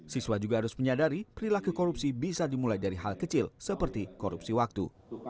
siswa juga harus menyadari perilaku korupsi bisa dimulai dari hal kecil seperti korupsi waktu